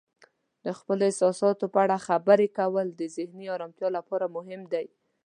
د خپلو احساساتو په اړه خبرې کول د ذهني آرامتیا لپاره مهم دی.